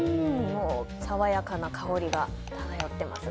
爽やかな香りが漂ってます。